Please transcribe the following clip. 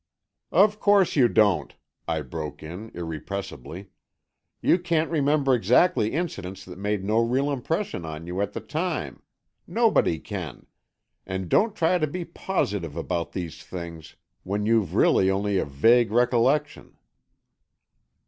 "Of course you don't," I broke in, irrepressibly. "You can't remember exactly incidents that made no real impression on you at the time. Nobody can. And don't try to be positive about these things when you've really only a vague recollection."